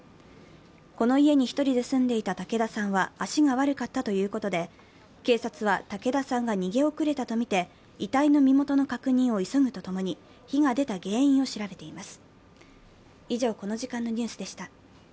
この家に１人で住んでいた竹田さんは足が悪かったということで警察は、竹田さんが逃げ遅れたとみて、遺体の身元の確認を急ぐとともに火が出た原因を調べています。